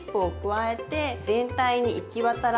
え⁉